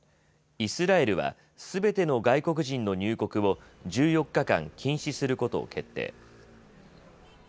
イスラエルはすべての外国人の入国を１４日間、禁止することを決定。